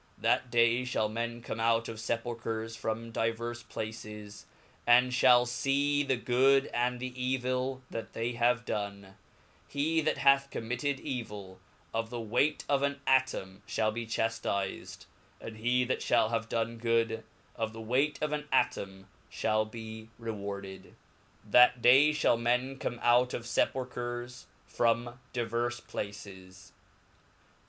That day fhall men come out of fepulchers from divers^ places, and {hall fee the good and the evil that they have done ; he that hath committed evil, of the weight of an atome, fhall be chaftifed; and he that (hal have done good, of the weight of an atome, fhall be rewarded. CHAP. '"' f Q7ap A oo> Tl^e Alcoran of M a h o w e t.